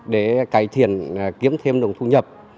để cải thiện kiếm thêm đồng thu nhập